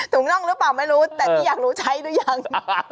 ถูกต้องหรือเปล่าไม่รู้แต่ที่อยากรู้ใช้หรือยัง